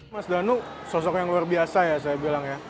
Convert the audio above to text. mas danu sosok yang luar biasa ya saya bilang ya